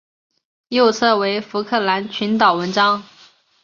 右侧为福克兰群岛纹章。